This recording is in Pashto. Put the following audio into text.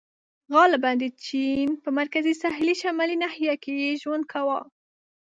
• غالباً د چین په مرکزي ساحلي شمالي ناحیه کې یې ژوند کاوه.